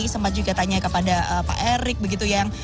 sempat juga tanya kepada pak erick begitu yang